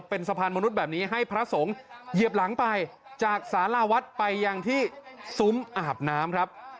เป็นสะพานมนุษย์แบบนี้ให้พระสงฆ์เหยียบหลังไปจากสาราวัดไปยังที่ซุ้มอาบน้ำครับ